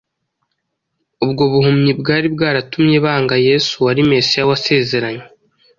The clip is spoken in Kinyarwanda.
Ubwo buhumyi bwari bwaratumye banga Yesu wari Mesiya wasezeranywe.